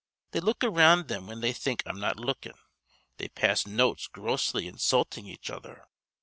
They look around thim when they think I'm not lookin'. They pass notes grossly insultin' each other.